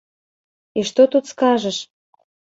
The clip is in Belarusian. І што тут скажаш?